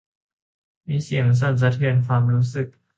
มีสิ่งสั่นสะเทือนความรู้สึก